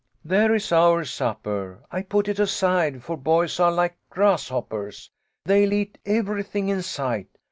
"There is our supper. I put it aside, for boys are like grasshoppers. They'll eat everything in sight.